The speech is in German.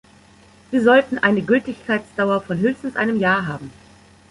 Sie sollten eine Gültigkeitsdauer von höchstens einem Jahr haben.